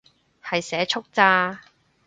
係社畜咋